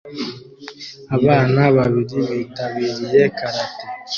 Abana babiri bitabiriye karate